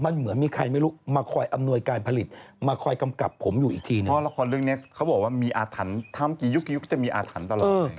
เขาก็บอกว่ามีอาทรรถ้ามันเก่งยุคที่จะมีอาทรรตร่วม